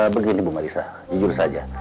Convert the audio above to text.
begini ibu marissa jujur saja